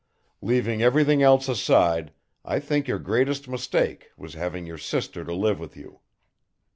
Leaving everything else aside I think your greatest mistake was having your sister to live with you.